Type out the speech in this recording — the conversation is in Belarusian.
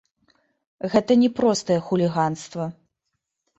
Гэта не простае хуліганства.